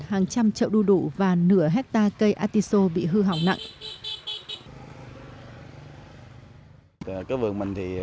hàng trăm trậu đu đủ và nửa hectare cây artiso bị hư hỏng nặng